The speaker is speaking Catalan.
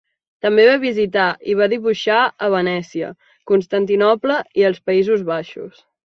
També va visitar i va dibuixar a Venècia, Constantinoble i els Països Baixos.